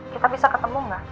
kita bisa ketemu gak